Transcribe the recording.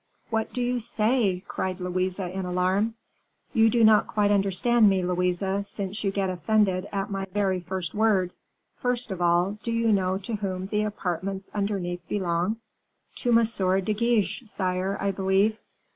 what do you say?" cried Louise, in alarm. "You do not quite understand me, Louise, since you get offended at my very first word; first of all, do you know to whom the apartments underneath belong?" "To M. de Guiche, sire, I believe."